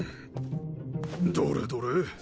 どれどれ？